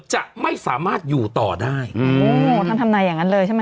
จะไม่สามารถอยู่ต่อได้อืมโอ้ท่านทำนายอย่างนั้นเลยใช่ไหม